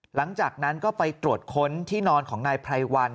หลังจากนั้นก็ไปตรวจค้นที่นอนของนายไพรวัน